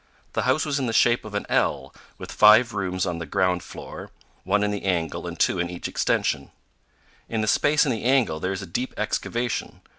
The house was in the shape of an L, with five rooms on the ground floor, one in the angle and two in each extension. In the space in the angle there is a deep excavation.